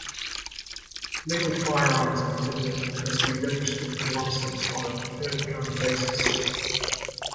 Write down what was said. Legal firearms in Finland must be registered and licensed on a per-gun basis.